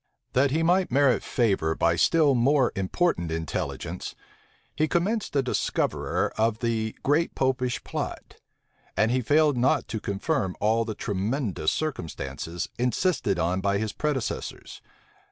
That he might merit favor by still more important intelligence, he commenced a discoverer of the great Popish plot; and he failed not to confirm all the tremendous circumstances, insisted on by his predecessors.